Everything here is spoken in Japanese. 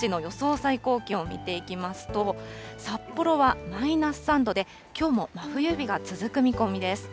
最高気温見ていきますと、札幌はマイナス３度で、きょうも真冬日が続く見込みです。